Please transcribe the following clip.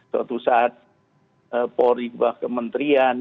suatu saat polri kebah kementerian